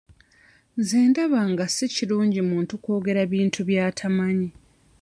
Nze ndaba nga si kirungi muntu kwogera bintu by'atamanyi.